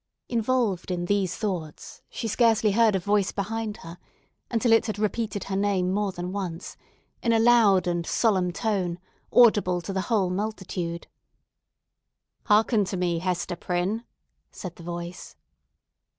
Involved in these thoughts, she scarcely heard a voice behind her until it had repeated her name more than once, in a loud and solemn tone, audible to the whole multitude. "Hearken unto me, Hester Prynne!" said the voice.